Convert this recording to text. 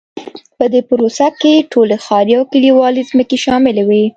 په دې پروسه کې ټولې ښاري او کلیوالي ځمکې شاملې وې.